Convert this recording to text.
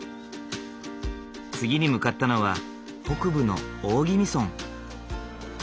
次に向かったのは北部の大宜味村。